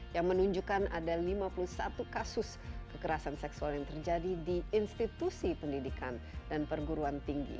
yang menunjukkan ada lima puluh satu kasus kekerasan seksual yang terjadi di institusi pendidikan dan perguruan tinggi